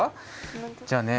じゃあね